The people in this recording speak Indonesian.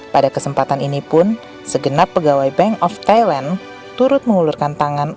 pada kesempatan ini pun segenap pegawai bank of thailand turut mengulurkan tangan